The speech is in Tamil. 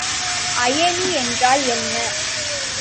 அயனி என்றால் என்ன?